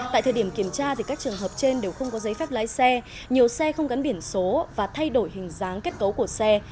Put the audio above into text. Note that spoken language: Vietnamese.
tại thời điểm kiểm tra các trường hợp trên đều không có giấy phép lái xe nhiều xe không gắn biển số và thay đổi hình dáng kết cấu của xe